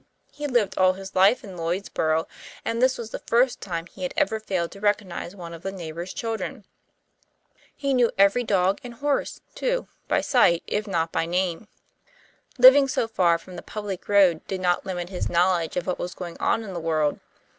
He had lived all his life in Lloydsborough, and this was the first time he had ever failed to recognize one of the neighbours' children. He knew every dog and horse, too, by sight if not by name. Living so far from the public road did not limit his knowledge of what was going on in the world.